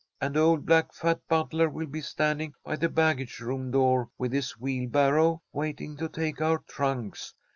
And old black fat Butler will be standing by the baggage room door with his wheelbarrow, waiting to take our trunks.